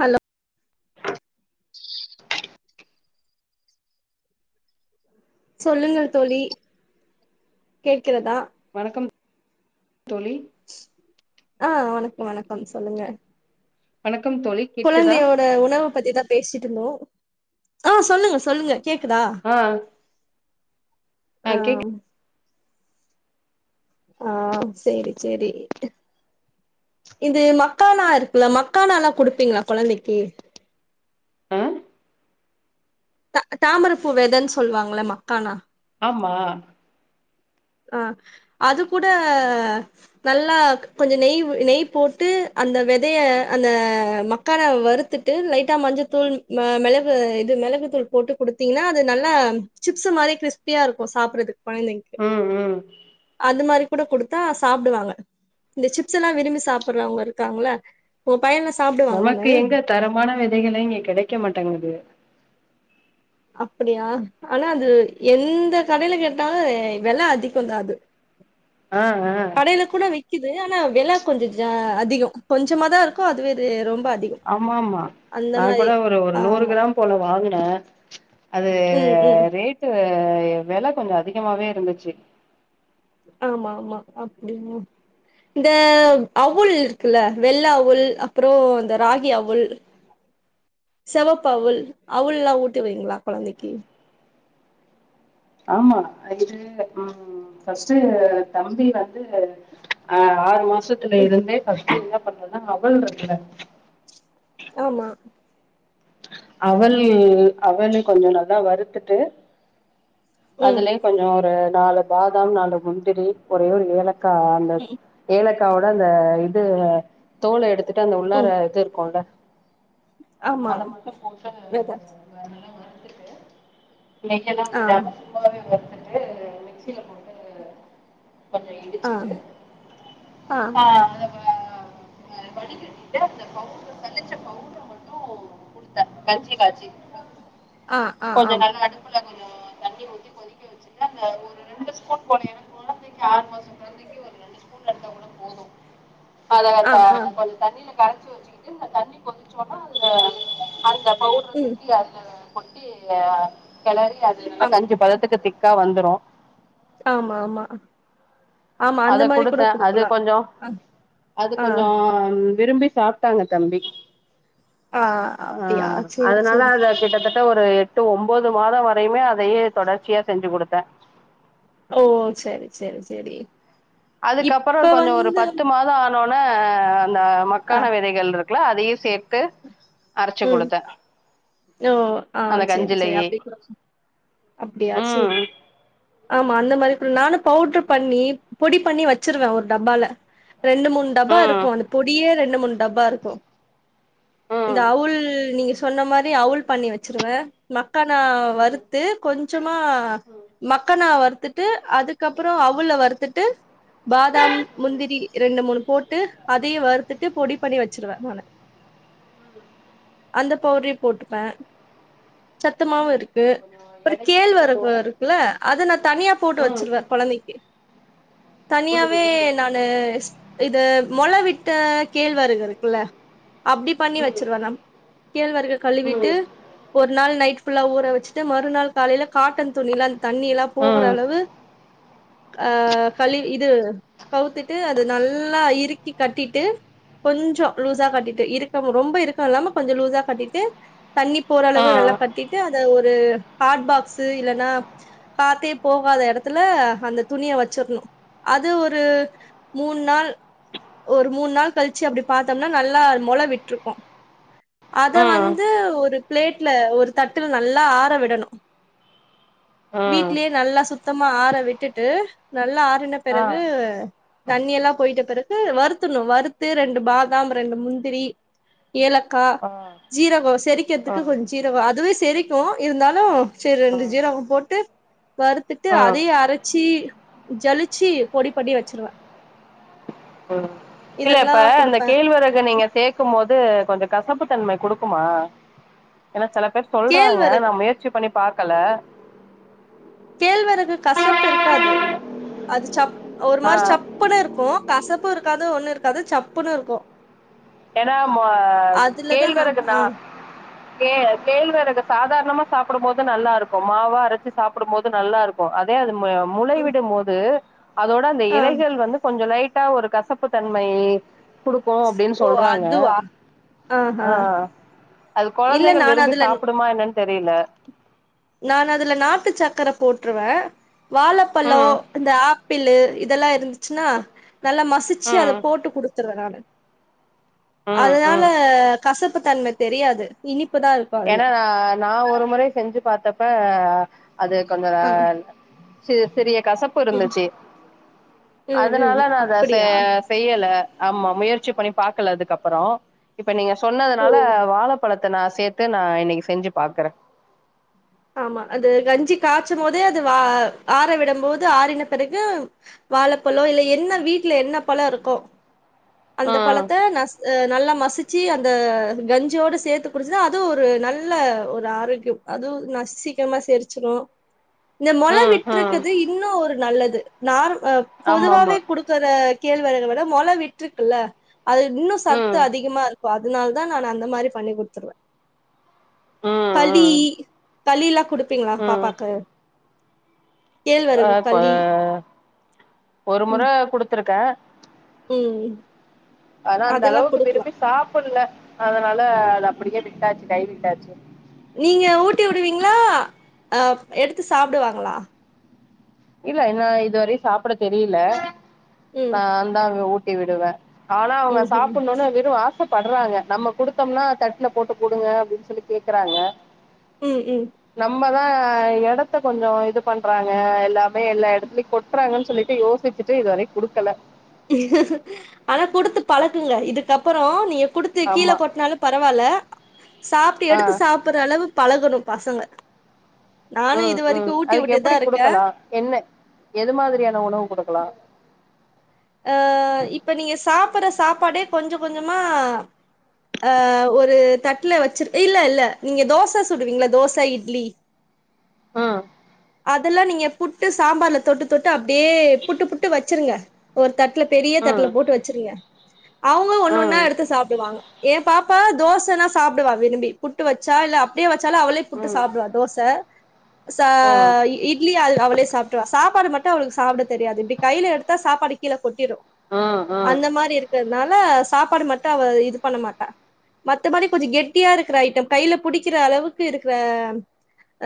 Hello சொல்லுங்கள் தோழி கேட்கிறதா வணக்கம் தோழி ஆ வணக்கம் வணக்கம் சொல்லுங்க வணக்கம் தோழி கேக்குதா குழந்தையோட உணவ பத்திதா பேசிட்டுருந்தோ ஆ சொல்லுங்க சொல்லுங்க கேக்குதா ஆ அ ஆ கேக் அ சேரி சேரி இது மக்கானா இருக்குல்ல மக்கானால்லா குடுப்பீங்களா கொழந்தைக்கி ஆ அ தாமரப்பூ வெதைன் சொல் வாங்களமா கானா ஆமா அ அது கூட நல்லா கொஞ்சோ நெய் நெய் போட்டு அந்த வெதைய அந்த மக் கானா வறுத்துட்டு லைட்டா மஞ்சள்த்தூள் மே மிளகு இது மெளகு தூள் போட்டு குடுத்தீங்கன்னா அது நல்லா சிப்ஸ் மாதிரி கிரிஸ்பியாருக்கு சாப்பறதுக்கு கொழந்தைங்கு ம் ம் அந்த மாரி கூட குடுத்தா சாப்புடுவாங்க இந்த சிப்ஸெல்லா விரும்பி சாப்புட்றவங்க இருக்காங்கள்ல ஓ பையன்லா சாப் நமக்கு எங்க தரமான வெதைகளை இங்க கெடைக்க மாட்டேங்கிது அப்பிடியா ஆனா அது எந்த கடையில கேட்டாலு வெல அதிகம் தா அது அ அ கடைல கூட விக்குது ஆனா வெல கொஞ்சொ ஜா அதிகொ கொஞ்சம தா இருக்கு அதுவே இது ரொம்ப அதி ஆமா ஆமா நா கொட ஒரு ஒரு நூறு ஆமா கிராம் போல வாங்குனே அது ம் ம் ரேட்டு வெலக் கொஞ்சொ அதிகமாவே இருந்துச்சு ஆமா ஆமா அப்டிங்க இந்த அவுள் இருக்குல்ல வெள்ள அவுள் அப்புறொ இந்த ராகி அவுள் செவப் அவுள் அவுள்ல்லா ஊட்டுவிங்ளா கொழந்தக்கி ஆமா அ இது ம் ம் ஃபஸ்ட்டு தம்பி வந்து அ ஆறு மா சத்துல ம் இருந்தே ஃபஸ்ட்டு என்ன பண்ணுவனா அவள் இருக்குல ஆமா அவள் அவளு கொஞ்சொ நல்லா வறுத்துட்டு ம் அதுலே கொஞ்சொ ஒரு நாலு பாதாம் நாலு முந்திரி ஒரே ஒரு ஏல க்கா அந்த ஏலக்காவோட அந்த இது தோல எடுத்துட்டு அந்த உள்ளார ம் இது இருக்குல ஆமா அத மட்டு போட்டு வெத நல்லா வறுத்துட்டு நெக்கெல்லா ஆ விடாம ஃபுல்லாவே வறுத்துட்டு மிக்சில போட்டு கொஞ்சொ ஆ இடுச்சுட்டு ஆ அ வடி கட்டிட்டு அந்த பவுட்ற பெனஞ்ச பவுட்ற மட்டு குடுத்தே கஞ்சி காச்சி ஆ ஆ கொஞ்சொ ஆம் நல்லா அடுப்புல கொஞ்சொ கொதிக்க வச்சுட்டு அந்த ஒரு ரெண்டு ஸ்பூன் போது ஏனா கொழந்தக்கி ஆறு மாச கொழந்தக்கி ஒரு ரெண்டு ஸ்பூ ஆ ஆ [unintelligible] கொஞ் தண்ணில கரச்சு வச்சுக்கிட்டு இந்த தண்ணி கொதிச்சோனா அதுல அந்த பவுட் ம் ற அதுல கொட்டி கெளறி அது நல்லா ஆமா கஞ்சி பதத்துக்கு திக்கா வந்துரு ஆமா ஆமா ஆமா அந்த அத மாரி கூட குடுத்தே அது குடுக்கலா கொஞ்சொ அ அது ஆ கொஞ்சோ ஆம் விரும்பி சாப்ட்டாங்க தம்பி ஆ ஆ அப்டியா சேரி அதனால சேரி அதுல கிட்டத்தட் ட்ட ஒரு எட்டு ஒன்போது மாதொ வரையுமே அதயே தொடர்ச்சியா செஞ்சு குடுத்தே ஓ செரி செரி செரி அதுக்கப்பறொ கொஞ்சொ ஒரு பத்து மாதொ ஆனோன அந்த ஆ மக்கான வெதைகள் இரு க்ல அதையு சேர்த்து அரச்சு ம் குடுத்தே ஓ ஆ அந்த சரி சரி கஞ்சுலயே அப்டி கூட அப்டியா சேரி ஆமா அந்த மாரி ஃபுல் நானு பவுட்ரு பண்ணி பொடி பண்ணி வச்சுருவே ஒரு டப்பால ரெண்டு மூனு டப்பா ம் இருக்கு அந்த பொடியே ரெண்டு மூனு டப்பா இருக்கு ம் இந்த அவுள் நீங்க சொன்ன மாரி அவுள் பண்ணி வச்சுருவே மக்கானா ம் வறுத் டு கொஞ்சமா ம். மக்கானா வறுத்துட்டு அதுக்கப்பறொ அவுள வறுத்துட்டு பாதாம் முந்திரி ரெண்டு மூனு போட்டு அதயு வறுத்துட்டு பொடி பண்ணி வச்சுருவே நானு அந்த பவுட்ரே போட்டுப்பே சத்துமாவு பிள்ளைங்களுக்கு இருக்கு கொஞ்சம் ஒரு எடையும் கேழ்வரகு கூடும் இருக்குல அது நா தனியா போட்டு ம். வச்சுருவே கொழந்தக்கி தனியாவே ம். நானு இது மொள விட்ட கேழ்வரகு இருக்குல்ல அப்டி பண்ணி வச்சிருவே நான் கேழ்வரகு ம். ம். கழுவிட்டு ம். ஒரு நாள் நைட் ஃபுல்லா ஊற வச்சு ட்டு மறுநாள் காலையில காட்டன் துணில்லா அந்த தண்ணி எல்லா போகுற ம். அளவு அ கழுவி இது கவுத்துட்டு அது நல்லா இறுக்கி கட்டிட்டு கொஞ்சோ லூஸா கட்டிட்டு இருக்கம் ரொம்ப இருக்கோ இல்லாம கொஞ்சோ லூஸா கட்டிட்டு தண்ணிப் ஆ. ஓரளவு நல்லா கட்டிட்டு அத ஒரு ஹாட் பாக்ஸ் இல்லன்னா காத்தே போகாத எடத்துல அந்த துணிய வச்சுருணு அது ஒரு மூண் நாள் ஒரு மூண் நாள் கழிச்சு அப்டி பாத்தோம்னா நல்லா மொள விட்ருக்கு அத ஆ. ஆ. வந்து ஒரு பிளேட்ல ஒரு தட்டுல் நல்லா ஆற விடணு ஆ. வீட்லியே நல்லா சுத்தமா ஆற விட்டுட்டு நல்லா ஆறுன ஆ. பெறகு ஆ. தண்ணி எல்லா போயிட்ட பிறகு வறுத்துன்ணு வறுத்து ரெண்டு பாதாம் ரெண்டு முந்திரி ஏலக்கா ஆ. ஜீரகோ செரிக்கிறதுக்கு கொஞ்சோ ஜீரகோ அதுவே செரிக்கு இருந்தாலு சேரி ரெண்டு ஜீரகோ போட்டு வறுத்துட்டு ஆ. அதையு அரச்சி ஜலிச்சி பொடி பண்ணி வச்சிருவே இல்ல இதெல்லா இப்ப அந்த குடுப்பே கேழ்வரகு இத நீங்க சேக்கு போது கொஞ்சோ கசப்பு தன்மை குடுக்குமா ஏனா செல பேர் சொல்றாங்க நா கேழ்வரகு முயற்சி பண்ணி பாக்கல கேழ்வரகு கசப்பு இருக்காது அது சப் ஒரு ஆ. மாரி சப் சப்புன்னு இருக்கு கசப்பு இருக்காது ஒண்ணு இருக்காது சப்புன்னு இருக்கு ஏனா மொ அதுலதா கேழ்வரகு நா ஆ கே கேழ்வரகு சாதாரணமா சாப்பிடு போது நல்லா இருக்கு மாவா அரைச்சு சாப்பிடும்போது நல்லா இருக்கு இப்ப அதே முளை விடு போது அதோட அந்த ஆ இலைகள் வந்து கொஞ்சோ லைட் டா கசப்பு தன்மை குடுக்கு அப்டின்னு சொல் ஓ சொல்றாங்க அதுவா ஆஹா ஆ அது இல்ல கொழந்தைகள் நானு விரும்பி அதுல சாப்பிடுமா என்னனு தெரில நா அதுல நாட்டு சக்கர போட்டுருவே வாழைப்பழோ ம் இந்த ஆப் ப்பிள் இதெல்லா இருந்துச்சுன்னா நல்லா மசிச்சு அத ம் போட்டு குடுத்துருவே நானு ம் அதனால ம் கசப்பு தன்மை தெரியாது இனிப்புதா இருக்கு அதுல ஏனா நா ஒரு முறை செஞ்சு பாத்தப்ப அது கொஞ்சோ வேற ஆ சிறு சிறிய கசப்பு ம் இருந்துச்சு ம் ம் அதனால நா அத செ அப்படியா செய்யல ஆமா முயற்சி பண்ணி பாக்கல அதுக்கப்றோ இப்ப நீங்க ஓ சொன்னதுனால வாழப் பழத்த நா சேத்து நா இன்னக்கி செஞ்ச பாக்குறே ஆமா அது கஞ்சி காய்ச்சு போதே அது வா ஆற விடபோது ஆறன பிறகு வாழைப்பழோ இல்ல என்ன வீட்ல என்ன பழோ இருக்கோ அந்த ம் பழத்த நா நல்லா மசிச்சு அந்த வெஞ்சோட சேத்து குடிச்சா அதுவு ஒரு நல்ல ஒரு ஆரோக்கியம் அதுவு நா சீக்கிரமாசெரிச்சிடு இந்த மொள ம் ம் விட்டுக்குது இப் இன்னோ ஒரு நல்லது நார் ஆமாமா பொதுவாவே குடுக் இத்தர கேழ்வரக விட மொள விட்டுருக்குல்ல அது இன்னு சத்து ம் அதிகமா இருக்கு அது அதுனாலதா நா அந்த மாதிரி பண்ணி கொடுத்துருவே ம் கலி ம் கலில்லா குடுப்பீங்ளா ம் பாப்பாக்கு ஆ கேழ்வரகு இப்ப களி ஒரு மொற ம் கொடுத்திருக்க ம் ஆனா அந்த அதெல்லா அளவுக்கு குடுக்கலா விரும்பி சாப்பட்ல அதனால அது அப்படியே விட்டாச்சு கை விட்டாச்சு நீங்க ஊட்டி விடுவீங்களா அ எடுத்து சாப்டுவாங்களா இல்ல இன்னு இதுவரையு சாப்பிட தெரியல ம் நான்ந்தாங்க ஊட்டி விடுவே ஆனா அவங்க ம் ம் சாப்டணும்னு வெறு ஆசப் பட்றாங்க நம்ம கொடுத்தோம்னா தட்டுல போட்டு கொடுங்க அப்டின்னு சொல்லி கேக்குறாங்க ம் ம் நம்மதா எடத்த கொஞ்ச இது பண்றாங்க எல்லா எல்லா இடத்துலயையு கொட்டுறாங்கன்னு சொல்லிட்டு யோசிச்சிட்டு இதுவரையு குடுக்கல ஆனா குடுத்து பழக்குங்க இதுக்கப்பறோ நீங்க குடுத்து கீழ ஆமா கொட்னாலு பரவால்ல சாப்டு ஆ எடுத்து சாப்பற அளவு பழகணு பசங்க நானு ம் இது வரைக்கு ம் ஊட்டி அதுக்கு விட்டுதா எப்டி இருக்கே குடுக்கலா என்ன எது மாதிரியான உணவு குடுக்கலா அ இப்ப நீங்க சாப்பிற சாப்பாடே கொஞ்ச கொஞ்சமா அ ஒரு தட்டுல வச்சிரு இல்ல இல்ல நீங்க தோச சுடுவீங்கள தோச இட்லி ம் அத் அதெல்லா நீங்க புட்டு சாம்பார்ல்ல தொட்டு தொட்டு அப்டியே புட்டு புட்டு வச்சுருங்க ஒரு தட்டுல பெரிய தட்டுல ம் போட்டு வச்சிருங்க அவங்க ஒண்ணு ஒன்னா ம் எடுத்து சாப்பிடுவாங்க ஏ பாப்பா தோசனா சாப்பிடுவா விரும்பி புட்டு வச்சா இல்ல அப்படியே வச்சாலு அவளே புட்டு ம் சாப்பிடுவா தோச ச ம் இட்லி அ அவளே சாப்பிடுவா சாப்பாடு மட்டு அவளுக்கு சாப்பிட தெரியாது இப்டி கையில எடுத்தா சாப்பாடு கீழ கொட்டிரு ம் ம் அந்த மாதிரி இருக்கிறதுனால சாப்பாடு மட்டு அவ இது பண்ண மாட்டா மத்தபடி கொஞ்சோ கெட்டியா இருக்கிற ஐட்டம் கையில புிடிக்கிற அளவுக்கு இருக்கிற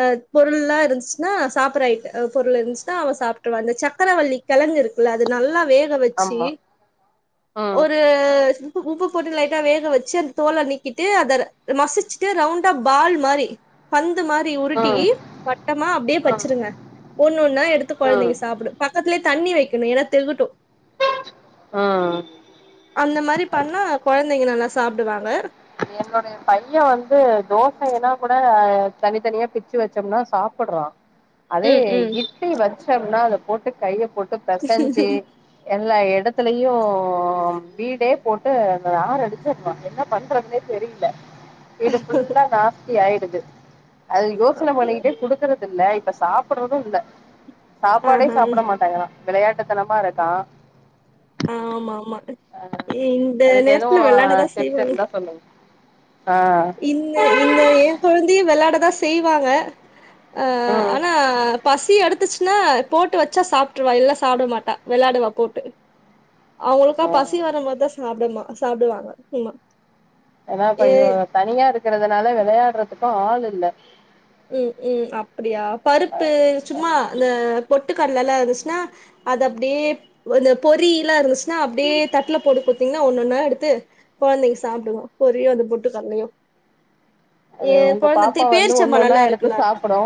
அ பொருள்ல்லா இருந்துச்சுன்னா சாப்பட்ற ஐட்டோ பொருள் இருந்து சிச்சுன்னா சக்கரவல்லி கிழங்குஇருக்குல்ல அது நல்லா வேக வச்சு ஆமா ம் ஒரு அ உப்பு போட்டு லைட்டா வேக வச்சு அந்த தோல நீக்கிட்டு அந்த மசிச்சு ட்டு ரவுண்டா பால் மாதிரி பந்து மாதிரி உருட்டி ம் வட்டமா அப்படியே ம் வச்சிருங்க ஒண்ணு ஒண்ணா எடுத்து ம் குழந்தைங்க சாப்டு பக்கத்துலயே தண்ணி வைக்கணு ஏன்னா திகட்டு ஆ ஆ அந்த மாறி பண்ணா கொழந்தைங்க நல்லா சாப்டுவாங்க என்னுடைய பைய வந்து தோசைன்னா கூட தனித்தனியா பிச்சு வச்சோம்னா சாப்பட்றா அதே ம் ம் இட்லி வச்சம்னா அத போட்டு கைய போட்டு பெசஞ்சு எல்லா எடத்துலயு வீடே போட்டு அந்த நாறடிச்சரா என்ன பண்றதுன்னே தெரில்ல வீடு ஃபுல்லா நாஸ்தி ஆயிடுது அது யோசன அப்டியா பண்ணிக்கிட்டே குடுக்கறது இல்ல இப்ப சாப்பட்றது இல்ல சாப்பாடே ஆஹா சாப்ட மாட்டங்றா விளையாட்டுத்தனமா இருக்கா ஆமா ஆமா இந்த அதுக்கு எதுவு நேரத்துல வெளாடதா டிப்ஸ் செய்வாங்க இருந்தா சொல்லுங்க ஆ இன்ன இன்ன ஏ கொழந்தையையு வெளாடதா செய்வாங்க ஆ ம் ஆனா பசி எடுத்துச்சுன்னா போட்டு வச்சா சாப்ட்ருவா இல்ல சாப்ட மாட்டா வெளாடுவா போட்டு அவங்களுக்கா ஆ பசி வர மோதா சாப்டமா சாப்டுவாங்க ஆமா ஏன்னா பையோ தனியா இருக்கறதுனால வெளையாடுறதுக்கு ஆள் இல்ல ம் ம் அப்டியா பருப்பு சும்மா இந்த பொட்டுக்கடலல்லா இருந்துச்சுன்னா அது அப்டியே இந்த பொரியிலா இருந்துச்சுன்னா அப்டியே தட்ல போட்டு குடுத்தீங்கன்னா ஒன்னு ஒன்னா எடுத்து கொழந்தைங்க சாப்டுங்க பொரியு அந்த பொட்டு கடலயு அது உங்க பாப்பா வந்து ஒன்னொன்னா எடுத்து இருக்குல்ல சாப்புடு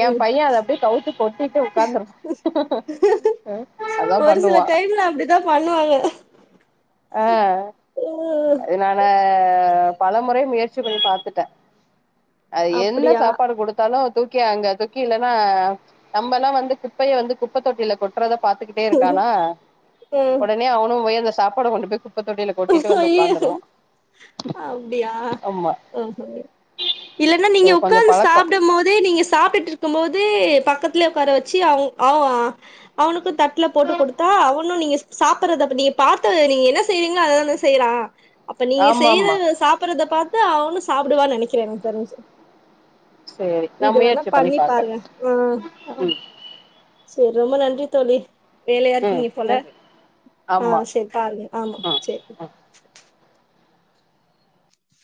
ஏ ம் பை ய அத அப்படியே கவுத்து கொட்டிட்டு உக்காந்துரு அதா பண்ணுவா த்தா பண்ணுவாங்க அ அது நானு உம் பல முறை முயற்சி பண்ணி பாத்துட்ட அது என்ன அப்டியா சாப்பாடு குடுத் தாலு தூக்கி அங்க தூக்கி இல்லன்னா நம்மல்லா வந்து குப்பைய வந்து குப்ப தொட்டியில கொட் ட்றத பாத்துக்கிட்டே இருக்கானா ம் உடனே அவனு போய் அந்த சாப்பாடு கொண்டு போய் குப் ஐயையோ அப்டியா ஆமா ம் ஹு இல்லன்னா நீங்க கொஞ்ச உக்காந்து பழக்கோ சாப்டும் போதே நீங்க சாப்ட்டுட் டு இருக்கும்போது பக்கத்லயே உக்கார வெச்சி அவ் ஆ அவனுக்கு தட்ல போட்டு குடுத்தா அவனு நீங்க சாப்புறதப்ப நீங்க பாத்தத நீங்க என்ன செய்றீங் க அத தான செய்றா அப்ப நீங்க ஆமா ஆமா செய்றத சாப்பறத பாத் து அவனு சாப்டுவான்னு நெனைக்கிற எனக்கு தெரிஞ்சி சேரி நா இது வேணா முயற்சி பண்ணி பாக்குறே பாருங்க ஆ ஆ ம் சேரி ரொம்ப நன்றி தோழி வேலையா ம் இருக்கீங்க போல நன்றி ஆ ஆமா செரி பாருங்க ஆமா ம் செரி